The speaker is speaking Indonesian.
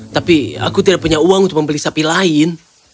tapi aku tidak punya uang untuk membeli sapi lain